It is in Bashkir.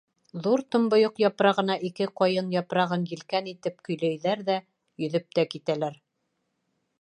Ҙур томбойоҡ япрағына ике ҡайын япрағын елкән итеп көйләйҙәр ҙә йөҙөп тә китәләр.